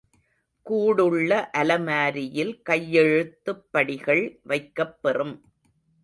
கூடுள்ள அலமாரியில் கையெழுத்துப் படிகள் வைக்கப் பெறும்.